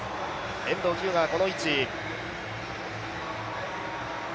遠藤日向、この位置。